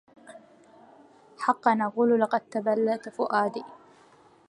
حقا أقول لقد تبلت فؤادي